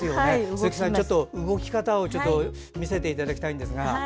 鈴木さん、動き方を見せていただきたいんですが。